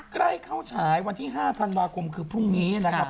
ใกล้เข้าฉายวันที่๕ธันวาคมคือพรุ่งนี้นะครับ